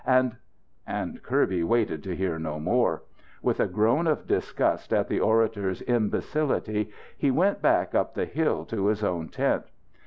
And " And Kirby waited to hear no more. With a groan of disgust at the orator's imbecility, he went back, up the hill, to his own tent.